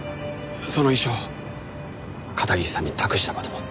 その遺書を片桐さんに託した事も。